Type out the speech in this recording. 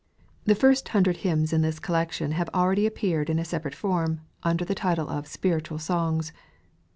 The first hundred hymns in this collection have already appeared in a separate form, under the title of " Spiritual Songs."